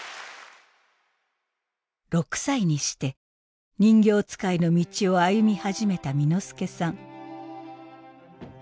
６歳にして人形遣いの道を歩み始めた簑助さん。